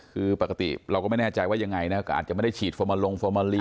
คือปกติเราก็ไม่แน่ใจว่ายังไงนะก็อาจจะไม่ได้ฉีดฟอร์มาลงฟอร์มาลี